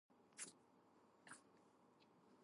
A conventional dish of the same diameter was also available.